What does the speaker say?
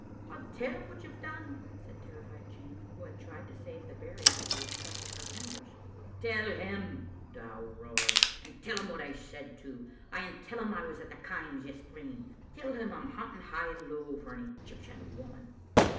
"I'll tell him what you've done," said terrified Jean, who had tried to save the berries at the expense of her fingers. "Tell him," Dow roared; "and tell him what I said too. Ay, and tell him I was at the Kaims yestreen. Tell him I'm hunting high and low for an Egyptian woman."